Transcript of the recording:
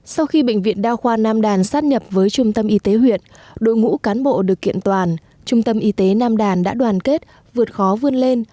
sau khi bệnh viện đa khoa nam đàn sát nhập với trung tâm y tế huyện đội ngũ cán bộ được kiện toàn trung tâm y tế nam đàn đã đoàn kết vượt khó vươn lên